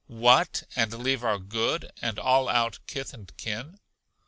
What! and leave our good, and all out kith and kin?